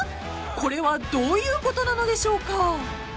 ［これはどういうことなのでしょうか？］